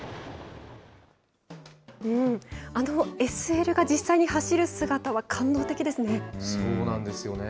あのＳＬが実際に走る姿は、感動的ですね。